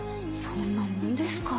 そんなもんですか。